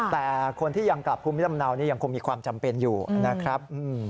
แต่คนที่ยังกลับภูมิลำเนานี่ยังคงมีความจำเป็นอยู่นะครับ